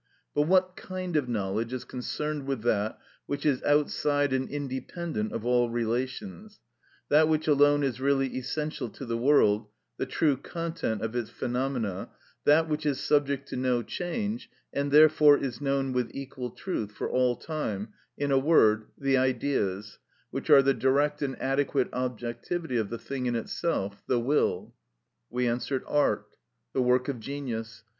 But what kind of knowledge is concerned with that which is outside and independent of all relations, that which alone is really essential to the world, the true content of its phenomena, that which is subject to no change, and therefore is known with equal truth for all time, in a word, the Ideas, which are the direct and adequate objectivity of the thing in itself, the will? We answer, Art, the work of genius.